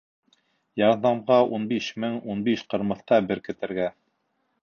Ярҙамға ун биш мең ун биш ҡырмыҫҡа беркетергә.